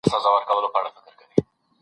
پرې کرم د اِلهي دی